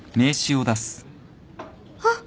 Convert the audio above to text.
あっ！